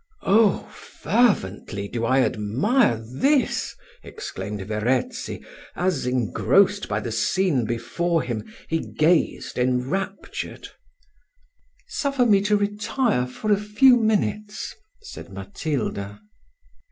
"Oh! fervently do I admire this," exclaimed Verezzi, as, engrossed by the scene before him, he gazed enraptured. "Suffer me to retire for a few minutes," said Matilda.